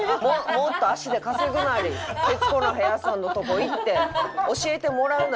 もっと足で稼ぐなり『徹子の部屋』さんのとこ行って教えてもらうなり。